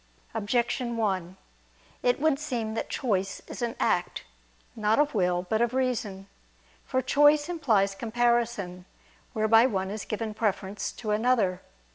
Objection 1: It would seem that choice is an act, not of will but of reason. For choice implies comparison, whereby one is given preference to another.